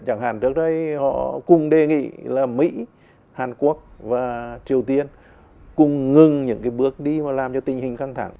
chẳng hạn trước đây họ cùng đề nghị là mỹ hàn quốc và triều tiên cùng ngừng những cái bước đi mà làm cho tình hình căng thẳng